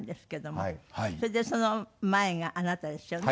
それでその前があなたですよね？